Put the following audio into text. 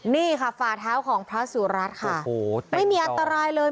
นี่ค่ะฝ่าเท้าของพระสุรัตน์ค่ะไม่มีอันตรายเลย